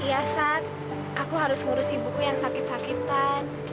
iya saat aku harus ngurus ibuku yang sakit sakitan